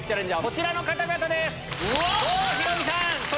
こちらの方々です！